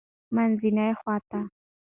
-منځنی خوات: